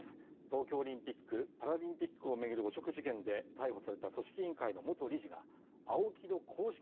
東京オリンピック・パラリンピックを巡る汚職事件で逮捕された組織委員会の元理事がＡＯＫＩの公式